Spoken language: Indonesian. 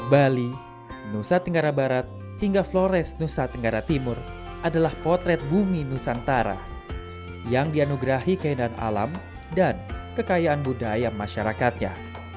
bali nusa tenggara barat hingga flores nusa tenggara timur adalah potret bumi nusantara yang dianugerahi keindahan alam dan kekayaan budaya masyarakatnya